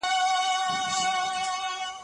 پریکړې د چارواکو له خوا کیږي.